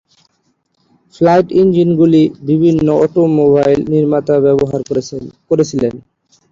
Flat ইঞ্জিনগুলি বিভিন্ন automobile নির্মাতারা ব্যবহার করেছিলেন।